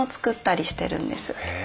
へえ。